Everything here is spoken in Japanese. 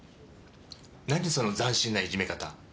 何その斬新ないじめ方。